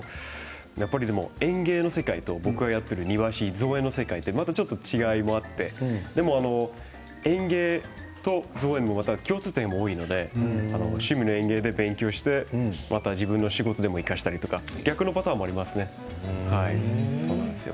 園芸の世界と僕がやっている庭師造園の世界とちょっと違うところもあってでも、園芸と共通点もあるので「趣味の園芸」で勉強して自分の仕事に生かしたりとか逆のパターンもありますね。